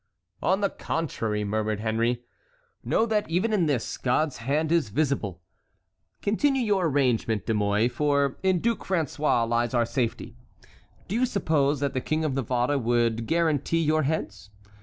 "On the contrary," murmured Henry, "know that even in this, God's hand is visible. Continue your arrangement, De Mouy, for in Duc François lies our safety. Do you suppose that the King of Navarre would guarantee your heads?